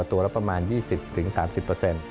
ตัวละประมาณ๒๐๓๐เปอร์เซ็นต์